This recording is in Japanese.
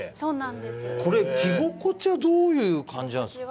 着心地はどういう感じなんですか？